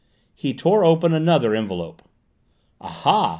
He tore open another envelope. "Ah ha!